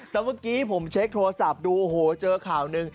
แต่เมื่อกี้ผมเช็คโทรศัพท์ดูโอ้โหเจอข่าวหนึ่ง